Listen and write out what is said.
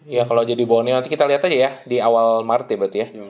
ya kalau jadi boni nanti kita lihat aja ya di awal maret ya berarti ya